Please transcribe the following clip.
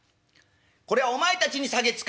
これはお前たちに下げつかわす」。